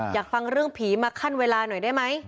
อยากฟังเรื่องผีมาขั้นเวลาหน่อยได้ไหม